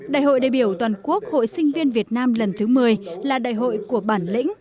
đại hội đại biểu toàn quốc hội sinh viên việt nam lần thứ một mươi là đại hội của bản lĩnh